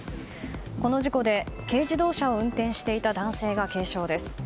この事故で軽自動車を運転していた男性が軽傷です。